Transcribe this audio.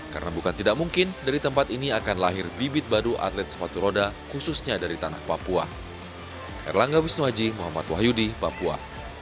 karena bukan tidak mungkin dari tempat ini akan lahir bibit baru atlet sepatu roda khususnya dari tanah papua